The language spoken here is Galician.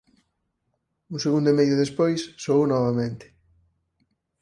Un segundo e medio despois soou novamente.